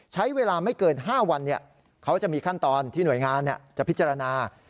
ใช้เวลาไม่เกิน๕วันเขาจะมีขั้นตอนที่หน่วยงานจะพิจารณา